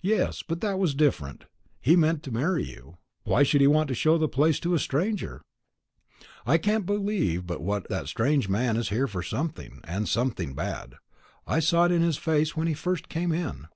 "Yes; but that was different. He meant to marry you. Why should he want to show the place to a stranger? I can't believe but what that strange man is here for something, and something bad. I saw it in his face when he first came in."